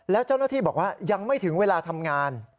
แล้วเจ้าหน้าที่บอกว่ายังไม่ถึงเวลาทำงาน